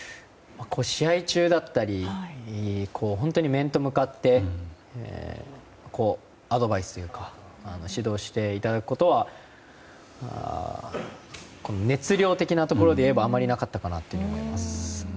試合中だったり本当に面と向かってアドバイスというか指導していただくことは熱量的なところで言えばあまりなかったかなと思います。